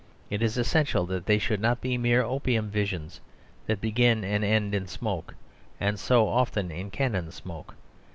It is essential that they should not be mere opium visions that begin and end in smoke and so often in cannon smoke.